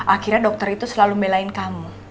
akhirnya dokter itu selalu membelain kamu